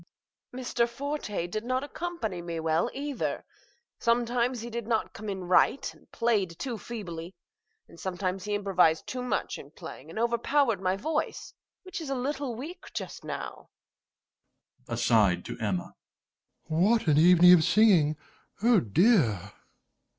(Whispers to Dominie.) Mr. Forte did not accompany me well, either: sometimes he did not come in right, and played too feebly; and sometimes he improvised too much in playing, and overpowered my voice, which is a little weak just now. DOMINIE (aside to Emma). What an evening of singing! Oh dear! MR.